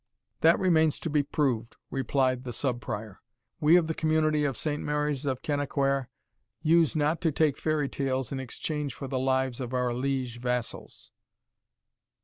"That remains to be proved," replied the Sub Prior; "we of the community of Saint Mary's of Kennaquhair, use not to take fairy tales in exchange for the lives of our liege vassals."